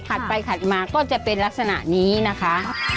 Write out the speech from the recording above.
ไปขัดมาก็จะเป็นลักษณะนี้นะคะ